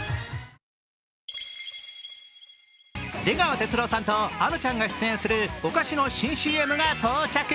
出川哲朗さんとあのちゃんが出演するお菓子の新ＣＭが到着。